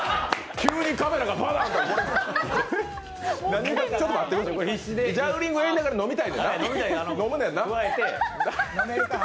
急にカメラがバーッとジャグリングやりながら飲みたい？